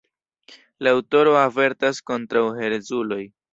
La aŭtoro avertas kontraŭ herezuloj.